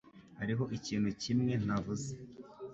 Hariho ikintu kimwe ntavuze